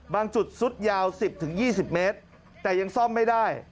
บางจุดซุดยาว๑๐๒๐เมตรแต่ยังซ่อมไม่ได้